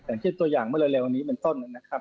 อย่างที่ตัวอย่างเมื่อเร็วนี้เป็นต้นนะครับ